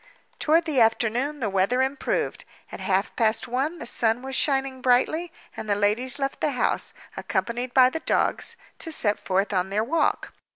Toward the afternoon the weather improved. At half past one the sun was shining brightly; and the ladies left the house, accompanied by the dogs, to set forth on their walk.